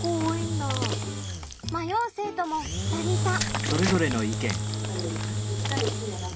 迷う生徒も２人いた。